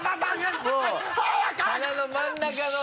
鼻の真ん中の。